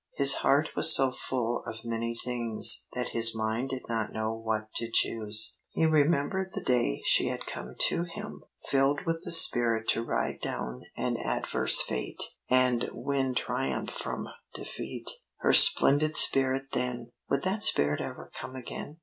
His heart was so full of many things that his mind did not know what to choose. He remembered the day she had come to him filled with the spirit to ride down an adverse fate and win triumph from defeat. Her splendid spirit then! Would that spirit ever come again?